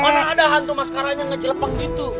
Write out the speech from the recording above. mana ada hantu maskaranya ngejelepeng gitu